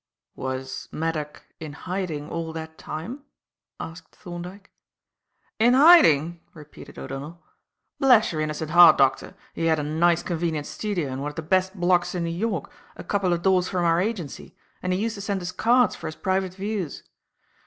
"Was Maddock in hiding all that time?" asked Thorndyke. "In hiding!" repeated O'Donnell. "Bless your innocent heart, doctor, he had a nice convenient studio in one of the best blocks in New York a couple of doors from our agency, and he used to send us cards for his private views.